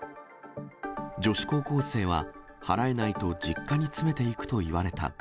女子高校生は払えないと実家に詰めていくと言われた。